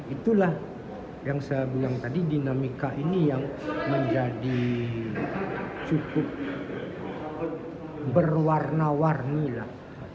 itulah yang saya bilang tadi dinamika ini yang menjadi cukup berwarna warni lah